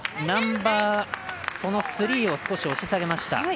ナンバースリーを少し押し下げました。